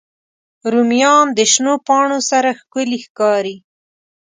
رومیان د شنو پاڼو سره ښکلي ښکاري